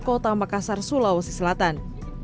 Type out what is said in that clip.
kota makassar sulawesi selatan